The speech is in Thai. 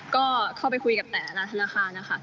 ก็เข้าไปคุยกับแต่อนาธนาคารนะคะ